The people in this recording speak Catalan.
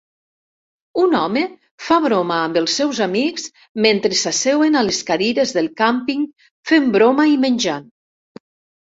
Un home fa broma amb els seus amics mentre s'asseuen a les cadires del càmping fent broma i menjant.